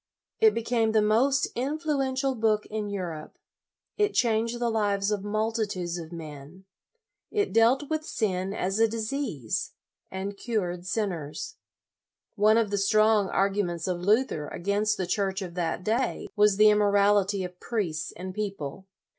It became the most influential book in Europe. It changed the lives of multi tudes of men. It dealt with sin as a disease, and cured sinners. One of the LOYOLA 67 strong arguments of Luther against the Church of that day was the immorality of priests and people.